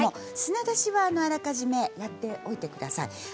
砂出しは、あらかじめやっておいてください。